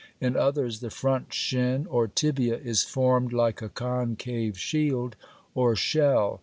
26); in others the front shin or tibia is formed like a concave shield or shell (fig.